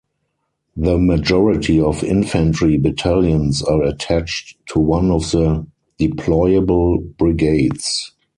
The majority of infantry battalions are attached to one of the deployable brigades.